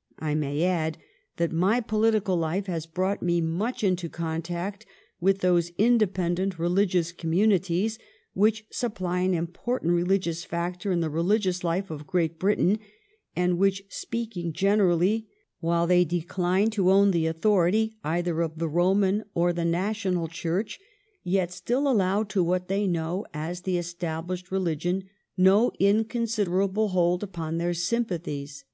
... I may add that my political life has brought me much into contact with those independent religious communities which supply an important religious factor in the religious life of Great Britain, and which, speaking generally, while they decline to own the authority, either of the Roman or the National Church, yet still allow to what they know as the Established religion no inconsiderable hold upon their sym pathies.